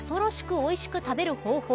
おいしく食べる方法。